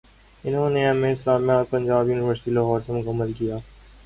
انہوں نے M A اسلامیات پنجاب یونیورسٹی لاہور سے مکمل کیا